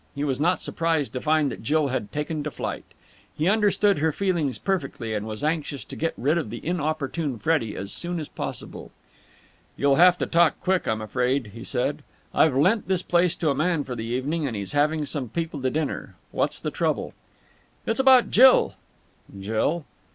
He was not surprised to find that Jill had taken to flight. He understood her feelings perfectly, and was anxious to get rid of the inopportune Freddie as soon as possible. "You'll have to talk quick, I'm afraid," he said. "I've lent this place to a man for the evening, and he's having some people to dinner. What's the trouble?" "It's about Jill." "Jill?"